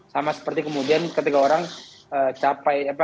sama seperti kemudian ketika orang capek dengan pola dengan proses tahapan yang dia lakukan